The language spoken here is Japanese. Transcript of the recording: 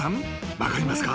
分かりますか？